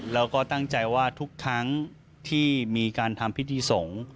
แล้วก็ตั้งใจว่าทุกครั้งที่มีการทำพิธีสงฆ์